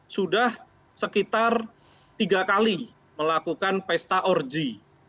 sudah sekitar tiga kali melakukan pesta orji